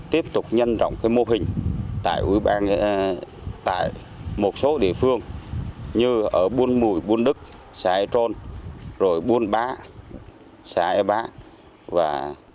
tiếp tục nhân rộng cái mô hình tại một số địa phương như ở buôn mùi buôn đức sài gòn rồi buôn bá